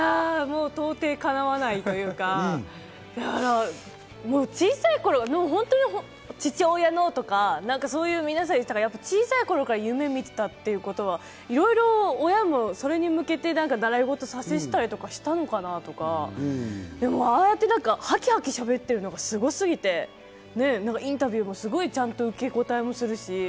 到底かなわないというか、小さい頃、父親のとか、皆さん言ってたから、小さい頃から夢見ていたということは、いろいろ親もそれに向けて習い事をさせたりしていたのかなとか、ああやってハキハキしゃべっているのがすごすぎて、インタビューもちゃんと受け答えするし。